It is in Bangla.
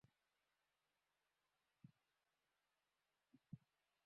আমরা এক সাথে যুদ্ধ করে এক সাথেই মরব।